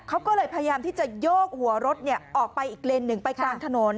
เขาก็เลยพยายามที่จะโยกหัวรถออกไปอีกเลนหนึ่งไปกลางถนน